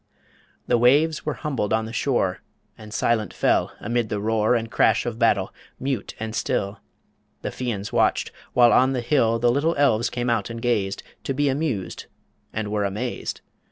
The waves were humbled on the shore, And silent fell, amid the roar And crash of battle Mute and still The Fians watched; while on the hill The little elves came out and gazed, To be amused and were amazed